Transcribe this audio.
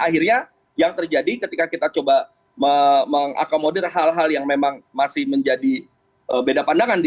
akhirnya yang terjadi ketika kita coba mengakomodir hal hal yang memang masih menjadi beda pandangan